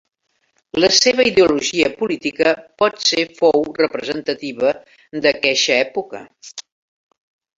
La seva ideologia política pot ser fou representativa d'aqueixa època.